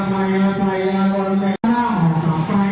พระยะโยงไอสีสองโยงไหะกลับทางอกาล